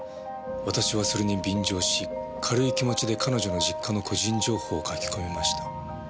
「私はそれに便乗し軽い気持ちで彼女の実家の個人情報を書き込みました」